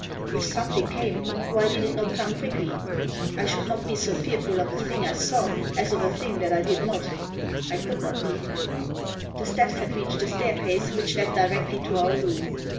If something came, why did it not come quickly ? I should not be so fearful of a thing I saw as of a thing that I did not ; I could not be. The steps had reached the staircase which led directly to our room.